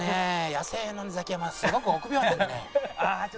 野生のザキヤマはすごく臆病なんでね。